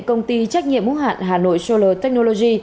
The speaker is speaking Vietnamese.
công ty trách nhiệm hữu hạn hà nội solar technology